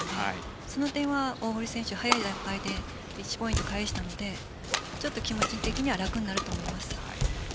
その点は大堀選手、早い段階で１ポイント返したのでちょっと気持ち的には楽になると思います。